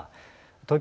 東京